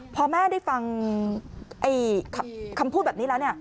พอแม่ได้ฟังคำพูดแบบนี้แล้วเนี่ย